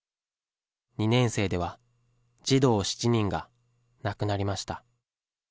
２年生では、児童７人が亡くなりました。